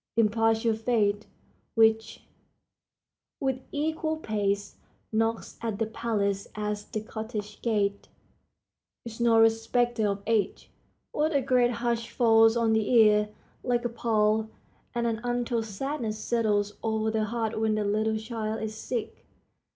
impartial fate, which, "With equal pace, Knocks at the palace as the cottage gate," is no respecter of age. What a great hush falls on the ear, like a pall, and an untold sadness settles over the heart when the little child is sick.